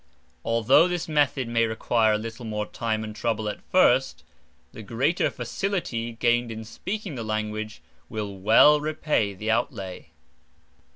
Although this method may require a little more time and trouble at first, the greater facility gained in speaking the language will well repay the outlay.